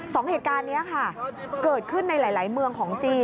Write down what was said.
สองเหตุการณ์นี้ค่ะเกิดขึ้นในหลายเมืองของจีน